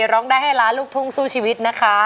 ร้องได้ให้ล้ารุกทุ้งสู้ชีวิต